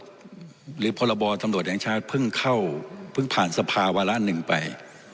หรือพรบตำรวจแห่งชาติเพิ่งเข้าเพิ่งผ่านสภาวาระหนึ่งไป